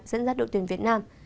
dẫn dắt đội tuyển việt nam